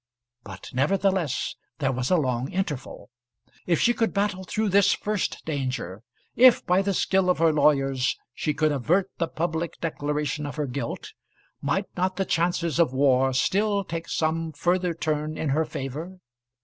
But nevertheless there was a long interval. If she could battle through this first danger, if by the skill of her lawyers she could avert the public declaration of her guilt, might not the chances of war still take some further turn in her favour?